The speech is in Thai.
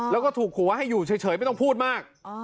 แล้วก็ถูกหัวให้อยู่เฉยไม่ต้องพูดมาก